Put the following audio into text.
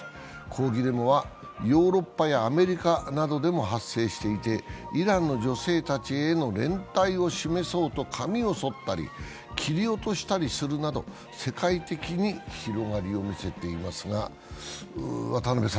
抗議デモはヨーロッパやアメリカなどでも発生していて、イランの女性たちへの連帯を示そうと髪をそったり、切り落としたりするなど、世界的に広がりを見せています。